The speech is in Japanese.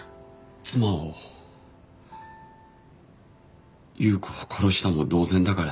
妻を優子を殺したも同然だからです。